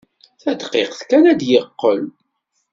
Tadqiqt kan ad d-yeqqel.